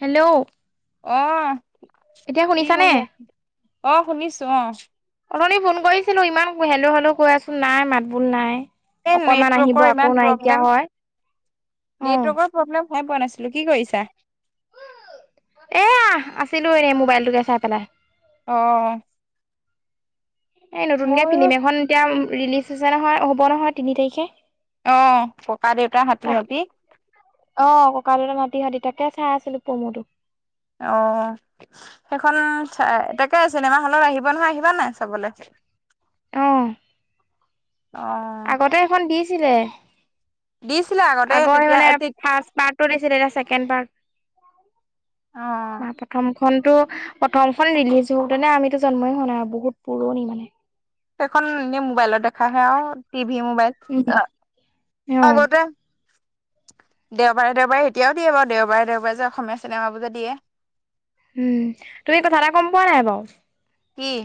Hello অহ এতিয়া কি শুনিছানে? কৰি আছ? অ শুনিছো অ অথনি ফোন কৰিছিলোঁ ইমান হেল্ল হেল্ল কৰি আছোঁ নাই মাত বোল নাই। এই অকমান আহিব নেটৱৰ্কৰ ইমান আকৌ নাইকিয়া প্ৰব্লেম হয় উম সময় পোৱা নাছিলো কি কৰিছা? এয়া আছিলো এই মোবাইলটোকে চাই পেলাই। অহ এই নতুনকে ফিল্ম এখন এতিয়া ৰিলিজ হৈছে নহয় হ'ব নহয় তিনি তাৰিখে অ', ককা দেউতাৰ হাতী হাতী তাক অ ককাদেউতাৰ নাতি হাটী। তাকে চাই আছিলো প্ৰমোটো। অ সেইখনৰ তাকে চিনেমা হলত আহিব নহয় আহিব যোৱা নাই চাবলৈ অহ অহ আগতে আগৰ তেতিয়া মানে ফাৰ্ষ্ট পাৰ্টটো দিছিলে এতিয়া ছেকেণ্ড অ', পাৰ্ট উম প্ৰথম প্ৰথমটো, প্ৰথমখন ৰিলিজ হওতে আমিতো জন্মই হোৱা নাই বহুত পুৰণি মানে সেইখন এ মোবাইলত দেখাহে আৰু টিভি মোবাইল উম, অ'। আগতে দেওবাৰে দেওবাৰে এতিয়াও দিয়ে বাৰু দেওবাৰে দেওবাৰে যে অসমীয়া চিনেমাবোৰ যে দিয়ে উম তুমি কথা এটা গম পোৱা নাই বাৰু উম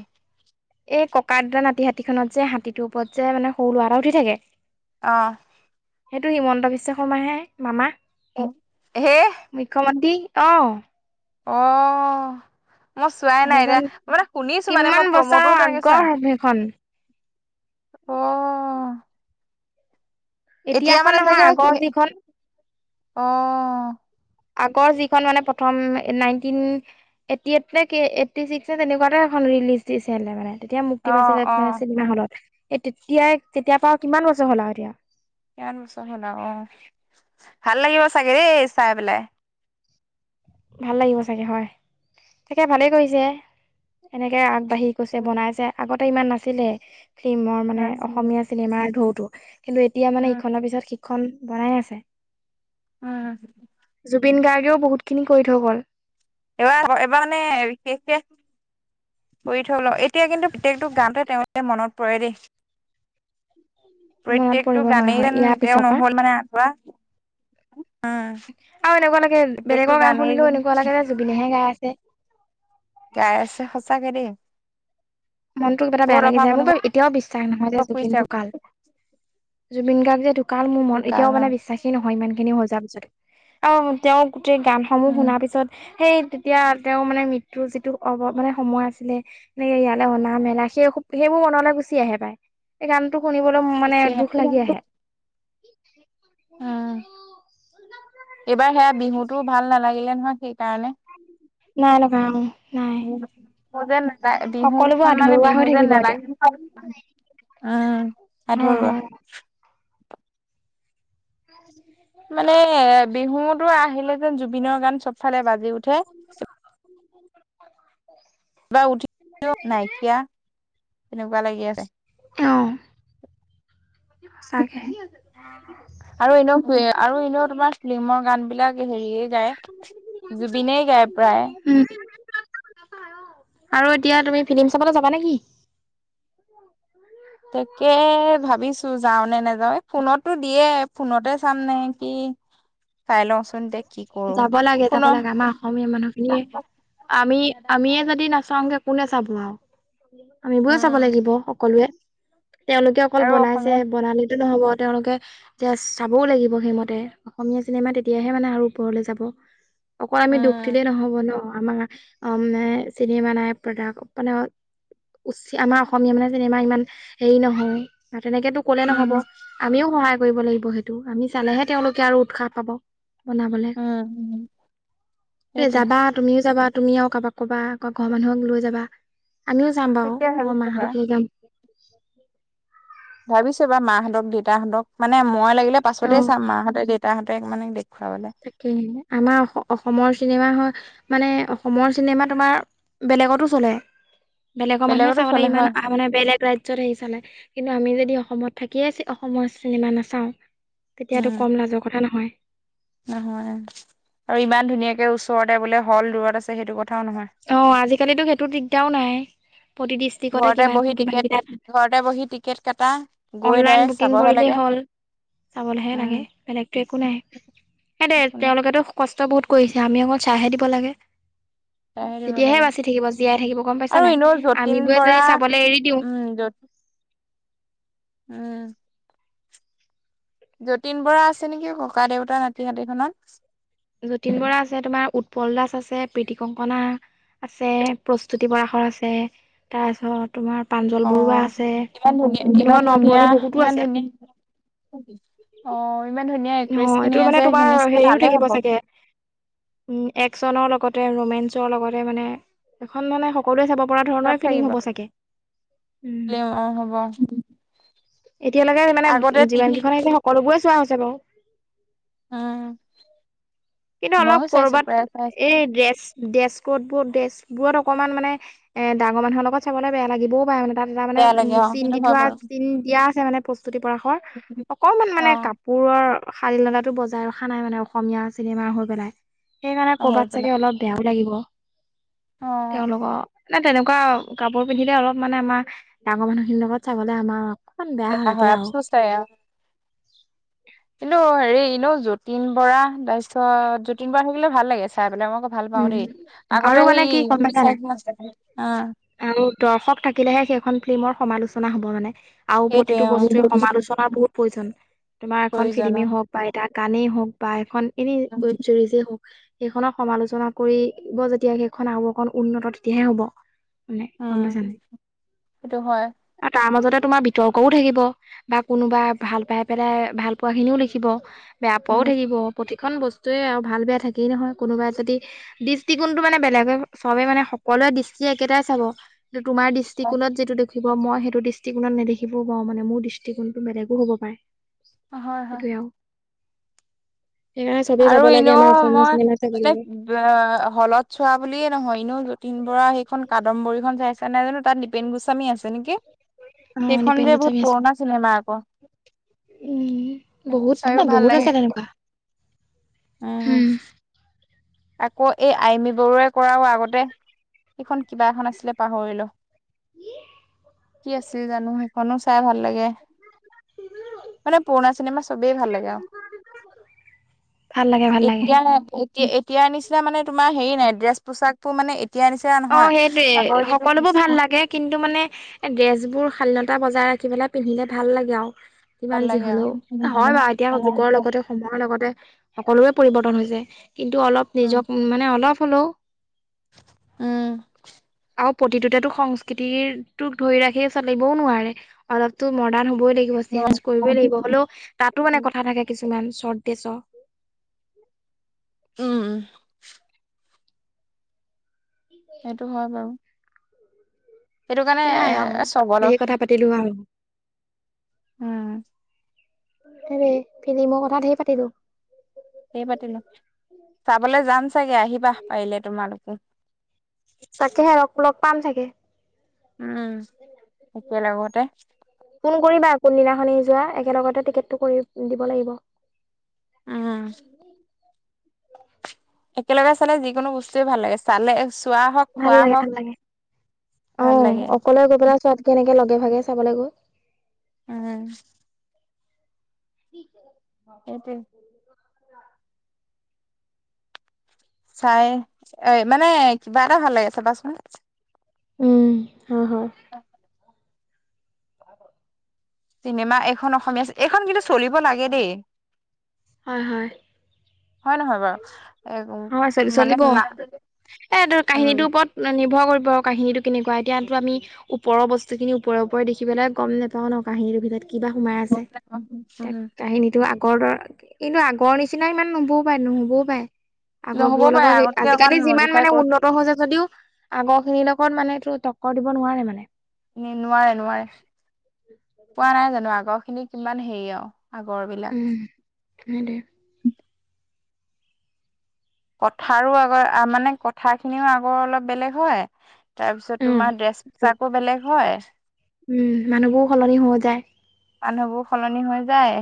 এই ককা দেতা নাতি হাতীখনত যে হাতীটোৰ ওপৰত যে মানে সৰু ল'ৰা এটা উঠি থাকে। অহ সেইটো হিমন্ত বিশ্ব শৰ্মাহে মামা হে মুখ্যমন্ত্ৰী অ অ মই চোৱাই নাই সেইজন এতিয়া মানে শুনিছো মানে কিমান মই বছৰৰ প্ৰম'তোও তেনেকৈ চোৱা আগৰ সেইখন অহ এতিয়া এতিয়াখন মানে নহয় চাগে আগৰ যিখন অ আগৰ যিখন মানে প্ৰথম নাইনটিন এইতটি এইত নে কি এইতটি ছিক্সথ এনেকুৱাতে এইখন ৰিলিজ দিছে হে মানে তেতিয়া অ মুক্তি অ পাইছিলেে চিনেমা হলত এ তেতিয়াই তেতিয়া পৰা কিমান বছৰ হ'ল আৰু এতিয়া কিমান বছৰ হ'ল আৰু অ ভাল লাগিব চাগে দেই চাই পেলাই ভাল লাগিব চাগে হয় তাকে ভালেই কৰিছে এনেকে আগ বাঢ়ি গৈছে বনাইছে আগতে ইমান নাছিলে ফিল্মৰ মানে নাছিলে অসমীয়া চিনেমাৰ ঢৌতো কিন্তু এতিয়া মানে উম ইখনৰ পিছত সিখন বনাই আছে। উম জুবিন গাৰ্গ- এ ও বহুত খিনি কৰি থৈ গ'ল এবাৰ এবাৰ মানে বিষেষকে বৈ থৈ ল এতিয়া কিন্তু প্ৰত্যেকটো গানটো তেওঁলোকে মনত পৰে দেই। মনত প্ৰত্যেকটো পৰিব হয় গানেই হয় যেন ইয়াৰ তেওঁ পিছৰ পৰা। নহল মানে আধৰুৱা উম আৰু এনেকুৱা লাগে প্ৰত্যেকটো বেলেগৰ গান গানেই যেন শুনিলেও এনেকুৱা লাগে যেন জুবিনেহে গাই আছে। [inaudible] গাই আছে সঁচাকে দেই। মনটো কিবা এটা বেয়া বহুত লাগি অভাৱ যায় অনুভৱ মোৰ এতিয়াও বিশ্বাস নহয় যে জুবিন কৰিছে ঢুকাল। জুবিন গাৰ্গ যে ঢুকাল মোৰ মন ঢুকাল এতিয়াও ন মানে বিশ্বাসে নহয় ইমান খিনি হৈ যোৱাৰ পিছত অ', তেওঁ। গোটেই গানসমূহ উম শুনাৰ পিছত। সেই তেতিয়া তেওঁৰ মানে মৃত্যুৰ যিটো অ' মানে সময় আছিলে নে ইয়াত। অনা মেলা সেই সেইবোৰ মনলৈ গুচি আহে পায় সেই গানটো। টো শুনিবলৈ মানে গুচি আহে দুখ উম লাগি আহে। [inaudible] দিলে নহয় সেইকাৰণে। [inaudible] [unintelligible] বিহু যেন [unintelligible] সকলোবোৰ বিহুখন মানে আধৰুৱা বিহু হৈ যেন থাকিব এতিয়া নেলাগে। উম, হয় আধৰুৱা। হয় [inaudible] মানে বিহুতো আহিলে যেন জুবিনৰ গান চবফালে বাজি উঠে। কিবা উঠি নাইকিয়া। তেনেকুৱা লাগি আছে। অ সঁচাকে আৰু এনেও আৰু এনেও তোমাৰ ফিল্মৰ গান। বিলাক হেৰিয়ে গায় জুবিনে গায় প্ৰায়। [inaudible] আৰু এতিয়া তুমি ফিলিম চাবলৈ যাবা নেকি? তাকে ভাবিছো যাওঁ নে নাযাওঁ ফোনতো দিয়ে। ফোনতে চাম নে কি? চাই লওঁচোন দে কি কৰো যাব লাগে, শুন যাব লাগে আমাৰ অসমীয়া মানুহ খিনিয়ে আমি। আমিয়ে যদি নাচাওঁগে কোনে চাব আৰু আমিবোৰে চাব উম লাগিব সকলোৱে। তেওঁলোকে অকল আৰু অসমীয়া বনাইছেহে বনালে টো নহব তেওঁলোকে এতিয়া চাবও লাগিব সেইমতে অসমীয়া চিনেমা তেতি তিয়াহে মানে আৰু ওপৰলৈ যাব, অকল আমি দোষ দিলেই উম নহব ন'। আমাৰ অ' মানে চিনিমে নাই [unintelligible] উচ আমাৰ অসমীয়া মানে চিনেমা ইমান হেৰি নহয়। তেনেকেতো কলে নহ'ব আমিও সহায় কৰিব লাগিব সেইটো আমি চালেহে তেওঁলোকে আৰু উৎসাহ পাব। বনাবলে উম তে সেইটোৱে যাবা তুমিও যাবা। তুমি আৰু কাৰোবাক ক'বা আকৌ ঘৰৰ মানুহক লৈ যাবা, আমিও যাম বাৰু তাকে মোৰ ভাবিছো বা মাহঁতক লৈ যাম। [inaudible] ভাবিছো বাৰু মাহঁতক দেউতাহঁতক মানে মই লাগিলে অ পাছতেই চাম মাহঁতে দেউতাহঁতেক মানে দেখ তাকে আমাৰ অস অসমৰ চিনেমা হয়। মানে অসমৰ চিনেমা তোমাৰ বেলেগতো চলে। বেলেগৰ মানুহে বেলেগতো চলে চাবলৈ হয় ইমান মানে বেলেগ ৰাজ্যত আহি চালে কিন্তু আমি যদি যদি অসমত থাকিয়ে ছে অসমৰ চিনেমা নাচাওঁ উম তেতিয়াটো কম লাজৰ কথা নহয়। নহয় আৰু ইমান ধুনীয়াকে ওচৰতে বোলে হল দূৰত আছে সেইটো কথা। অ', আজিকালিতো সেইটো দিগদাৰো নাই। প্ৰতি ডিষ্ট্ৰিক্টতে ঘৰতে বহি কিমান কিমান টিকেট কেটা ঘৰতে বহি টিকেট কাটা গৈ অনলাইন ডাইৰেক্ট বুকিং চাবহে কৰিলেই লাগে হ'ল। চাবলৈহে উম লাগে বেলেগতো একো নাই, এ দে একো নাই তেওঁলোকেতো কষ্ট বহুত। কৰিছে আমি অকল চাইহে দিব লাগে। চাইহে দিব তেতিয়াহে লাগে বাচি থাকিব, জীয়াই থাকিব গম পাইছা আৰু নাই, এনেও যতীন আমিবোৰে বৰা যদি চাবলৈ এৰি দিওঁ। [inaudible] উম যত উম। যতীন বৰা আছে নেকি ককা দেউতা নাতি হাতী খনত। যতীন বৰা আছে তোমাৰ উৎপল দাস আছে, প্ৰীতি কংকনা আছে, প্ৰস্তুতি পৰাখৰ আছে তাৰপাছত অ‌' ইমান ধুনীয়া ইমান তেনেকুৱা ন ধুনীয়া পুৰণি বহুতো ইমান আছে ধুনীয়া অ' ইমান ধুনীয়া এক্ট্ৰেছ অ', খিনি এইটো মানে আছে তোমাৰ সেইখিনি চাগে হেৰিও ভালে থাকিব হ'ব চাগে। উম এক চনৰ লগত, তে, ৰোমেঞ্চৰ লগতে মানে, এখন মানে সকলোৱে চাব পৰা চব ধৰণৰে ফিলিম থাকিব হ'ব চাগে? অ হ'ব এতিয়ালৈকে মানে, আগতে যিমান কেইখন আহিছে সকলোবোৰে চোৱা হৈছে। বাৰু অহ', কিন্তু অলপ ক'ৰবাত এই ড্ৰেছ, ড্ৰেছ কোট বোৰ ড্ৰেছ বোৰত অকণমান মানে এ ডাঙৰ মানুহৰ লগত চাবলৈ বেয়া লাগিবও পাৰে মানে। তাত এটা মানে, বেয়া লাগে উম অ চিন সেইটো দি হয় থোৱা বাৰু চিন দিয়া আছে। মানে প্ৰস্তুতি পৰাশৰ অকণমান মানে কাপোৰৰ শাৰীনলতাটো বজাই ৰখা নাই মানে, অসমীয়া চিনেমা হৈ পেলাই। সেইকাৰণে অ হৈ ক'ৰবাত পেলাই চাগে অলপ বেয়াও লাগিব। অ তেওঁলোকৰ নে তেনেকুৱা কাপোৰ পিন্ধিলে। অলপ মানে আমাৰ ডাঙৰ মানুহ খিনিৰ লগত চাবলে আমাৰ অকণমান বেয়া হয় লাগে আৰু, আফচোচ লাগে আৰু কিন্তু হেৰি এনেও যতীন বৰা, তাৰপিছত যতীন বৰা থাকিলে ভাল লাগে চাই পেলাই মোক মই ভাল পাওঁ উম দেই, আৰু আগতে মানে কি গম পাইছা নাই সেই চাই অ, আৰু দৰ্শক থাকিলেহে সেইখন ফিল্মৰ সমালোচনা হ'ব মানে। আৰু সেইটোৱে প্ৰতিটো অ বস্তুৱে সমালোচনাৰ বহুত প্ৰয়োজন। তোমাৰ এখন প্ৰয়োজন অ। ফিল্মেই হওঁক, বা এটা গানেই হওঁক, বা এখন এনে ওৱেব চিৰিজে হওঁক। সেইখনক সমালোচনা কৰি, ব যেতিয়া সেইখন আৰু অকণ উন্নত তেতিয়াহে হ'ব। সেয়ে গম পাইছা উম নাই সেইটো হয় আৰু তাৰ মাজতে তোমাৰ বিতৰ্কও থাকিব, বা কোনোবা ভাল পাই পেলাই ভাল পোৱা খিনিও লিখিব। বেয়া পোৱাও উম থাকিব। প্ৰতিখন বস্তুৱে আৰু ভাল বেয়া থাকেই নহয় কোনোবাই যদি দৃষ্টিকোণতটো মানে বেলেগ বেলেগ চবে মানে সকলোৱে দৃষ্টি একেটাই চাব। তো তোমাৰ দৃষ্টিকোণত যিটো দেখি দিব মই সেইটো দৃষ্টিকোণত নেদখিবও পাৰোঁ মানে মোৰ দৃষ্টিকোণটো বেলেগো হ'ব পাৰে। হয় হয়', সেইটোৱে আৰু সেইকাৰণে চবেই আৰু যাব লাগে এনেও আমাৰ অসমীয়া মই চিনেমা চাব মানে লাগে হলত চোৱা বুলিয়ে নহয়। এনেও যতীন বৰা সেইখন কাদামম্বৰী খন চাই তেনেহলে তাত নীপেন গোস্বামী আছে নেকি? অ সেইখন নিপেন যে বহুত পুৰণা চিনেমা। আকৌ ই', বহুত চাইও ভাল বহুত লাগে আছে তেনেকুৱা। উম', আকৌ- এই আইমি বৰুৱাই কৰাও আগতে, সিখন কিবা এখন আছিলে পাহৰিলো। কি আছিল জানো সেইখনো চাই ভাল লাগে। মানে পুৰণা চিনেমা চবেই ভাল লাগে। আৰু ভাল লাগে ভাল লাগে এতিয়াহে, এতি এতিয়া নিচিনা মানে তোমাৰ হেৰি নাই। ড্ৰেছ পোছাকবোৰ মানে এতিয়াৰ নিচিনা অ', নহয়। সেইটোয়ে আগৰ সকলোবোৰ ভাল কিন্তু লাগে। কিন্তু মানে ড্ৰেছ বোৰ খালি অলপ এটা বজাই ৰাখিপেলাই পিন্ধিলে ভাল লাগে আৰু, ভাল যিমান যি লাগে আৰু। হ'লেও। হয় বাৰু এতিয়া যুগৰ লগতে সময়ৰ লগতে সকলোৰে পৰিৱৰ্তন হৈছে। কিন্তু অলপ উম নিজক মানে অলপ হ'লেও উম আৰু প্ৰতিটোতে সংস্কৃতিটোক ধৰি ৰাখি চলিবও নোৱাৰে। অলপটো মডাৰ্ণ হ'বই লাগিব। চেঞ্জ কৰিবই লাগিব হ'লেও তাতো মানে কথা থাকে কিছু কিমান চটডেছ উম', সেইটো হয় বাৰু, সেইটো কাৰণে সেয়াই আৰু এ চব অলপ ভাল ৰে ফিলিম কথা ধেই পাতিলোঁ ধেই পাতিলো চাবলৈ যাম চাগে আহিবা পাৰিলে তোমালোকো তাকেহে লগ লগ পাম চাগে উম একে লগতে কোনদিনাখনে যোৱা একেলগতে টিকেটটো কৰি দিব লাগিব [inaudible] উম একেলগে চালে যিকোনো বস্তুয়ে ভাল লাগে চালে চোৱা হওক ভাল খোৱা লাগে হওক ভাল লাগে অ ভাল লাগে অকলে গৈ পেলাই চোৱাত কে এনেকে লগে ভাগে চাব লাগিব উম সেইটোৱে [inaudible] চাই এ মানে কিবা এটা ভাল লাগে চাবাচোন উম হয় হয় চিনেমা এইখন অসমীয়া এইখন কিন্তু চলিব লাগে দেই হয় হয় হয় নহয় বাৰু এ হয় চলি মানে চলিব এ কাহিনীটোৰ উম ওপৰত নিৰ্ভৰ কৰিব কাহিনীটো কেনেকুৱা এতিয় তো আমি ওপৰৰ বস্তুখিনি ওপৰে ওপৰে দেখিবেলাই গম নাওঁ ন কাহিনীটোৰ ভিতৰত কিবা সোমাই আছে তাক কাহিনীতো আগৰ দ কিন্তু আগৰ নিচিনা ইমান নুবো পাই নহ'বও পাই আগৰ নহ'ব বোৰৰ পাৰে লগত আগতকে অকমান আজিকালি যিমান মডিফাই মানে কৰি উন্নত হৈ যায় যদিও আগৰ খিনিৰ লগত মানে এইটো টক্কৰ দিব নোৱাৰে মানে এনে নোৱাৰে নোৱাৰে পোৱা নাই জানো আগৰ খিনি কিমান হেৰি আৰু আগৰ বিলাক উম হ দে কথাৰো আগৰ মানে কথা খিনিও আগৰ অলপ বেলেগ হয় তাৰ পিছত অ তোমাৰ ড্ৰেছ পোচাকো বেলেগ হয় উম মানুহবোৰ সলনি হৈ যায় মানুহবোৰ সলনি হৈ যায়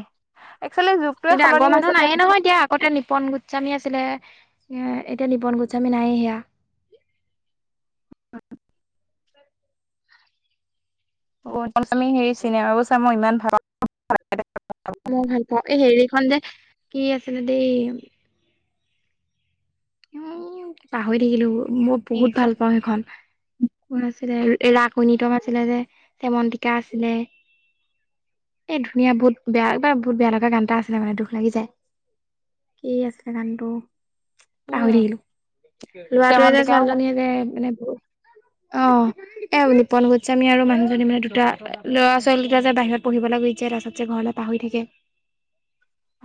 একচুৱেলি যুগটোৱে কিন্তু আগৰ সলনি মানুহ নায়য়ে হৈছে নহয় দিয় আগতে নিপন গু গোস্বামী আছিলে এ এতিয়া নিপন গোস্বামী নাইে সেয়া হেৰি চিনেমাবোৰ চা মই ইমান ভাল পা মই ভাল পাওঁ এই হেৰিখন যে কি আছিলে দে উ পাহৰি থাকিলো মই বহুত পাওঁ ভাল পাও সেইখন কোন আছিলে ৰাক নিতম আছিলে যে হেমন্তকা আছিলে এই ধুনীয়া বহুত বেয়াবাৰ বহুত বেয়া লগা গান এটা আছিলে মানে দুখ লাগি যায় কি আছে গানটো পাহৰি থাকিলো লৰাটোৱে যে শ্যামন্তিকাও ছোৱালীজনীয়ে যে মানে বুত অ এ নিপন গোস্বামী আৰু মানুহজনী মানে দুটা ল'ৰা ছোৱালী দুটা যে বাহিৰত পঢ়িব লাগিব ৰাসাত যে ঘৰলৈ পাহৰি থাকে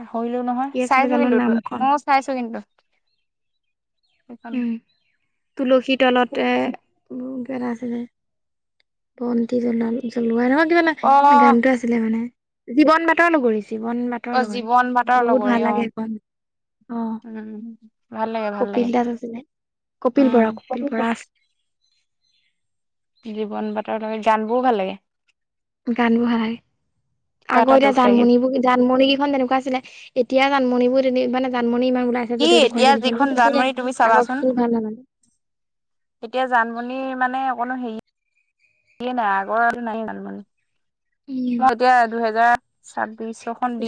পাহৰিলেও নহয় কি আছিলে চাইছো জানো কিন্তু ত নামখন অ চাইছো কিন্তু সেইখন তুলসী তলতে কিবা এটা আছিলে বন্তি জ্বলোৱা জ্বলোৱা নহয় কিবা এটা অ গানটোে আছিলে মানে জীৱন বাতৰ লগৰী জীৱন বাটৰ অ লগৰী জীৱন বাটৰ বহুত লগৰী ভাল অ লাগে সেইখন অ', উম ভাল লাগে ভাল কপিল লাগে দাস কপিল উম বৰা কপিল বৰা আছে জীৱন বাতৰ লগে গান বোৰও ভাল লাগে গান বহাগ কিবা এটা আগৰ এতিয়া দুখ লাগে জানমণিবোৰ জানমণি কেইখন তেনেকুৱা আছিলে এতিয়া জানমণিবোৰ [unintelligible] জাণমণি ইমান ওলাইছে কি যদি দুখন এতিয়া তিনিখন যিখন কিন্তু সে জানমণি তুমি আগত চাবাচোন কি ভাল না মানে এতিয়া জান বুলি মানে অকণো হেৰি কি নাই আগৰ আৰু নাই ত মানে উম ম এতিয়া দুহেজাৰ চন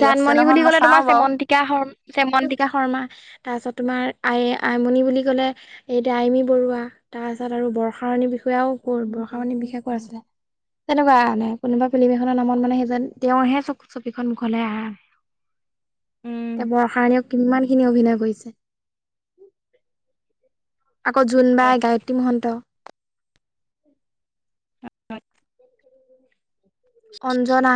জানমণ বুলি কলে তোমাৰ চেমন্তকা শ চেমন্তকা শৰ্মা তাৰপিছত তোমাৰ আই আইমণি বুলি ক'লে এতিয়া আইমি বৰুৱা তাৰপাছত আৰু বৰ্ষাাৰণী বিষ সয়াও ক' বৰ্ষা পানণী বিশেষকৈ আছিলে তেনেকুৱা কাৰানে কোনোবা ফিলি্ম এখনৰ নামতানেেই যেজন তেওঁৰহে চ ছবিখন কলে আহ এতিয়া উম বৰ্ষায়ণ কিমান খিনি অভিনয় কৰিছে আকৌ জোনবাই গায়ত্ৰী মহন্ত অ অঞ্জনা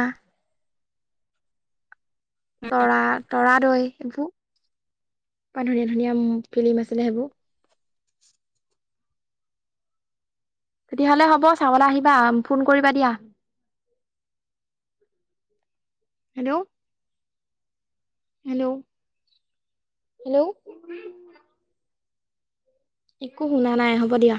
তৰা তৰা দই সেইবোৰ ই ধুনীয়া ধুনীয়া ফিল্ম আছিলে সেইবোৰ তেতিয়াহলে হব চাবলৈ আহিবা ফোন কৰিবা দিয়া হেল্ল'। হেল্ল'। হেল্ল'। একো শুনা নাই, হ'ব দিয়া।